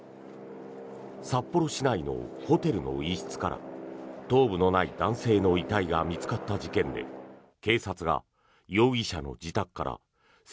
札幌市内のホテルの一室から頭部のない男性の遺体が見つかった事件でピックアップ